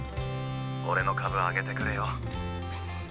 俺の株上げてくれよ？